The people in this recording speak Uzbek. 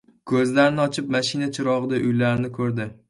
Ko‘zlarini ochib, mashina chirog‘ida uylarini ko‘rdi.